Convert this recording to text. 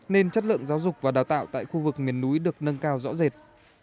nên chất lượng giáo dục và đào tạo tại khu vực miền núi được nâng cao rõ rệt